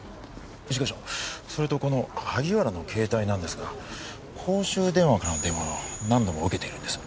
一課長それとこの萩原の携帯なんですが公衆電話からの電話を何度も受けているんです。